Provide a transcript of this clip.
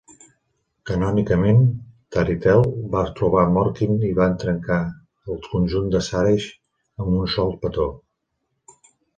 Canònicament, Tarithel va trobar Morkin i va trencar el conjur de Shareth amb un sol petó.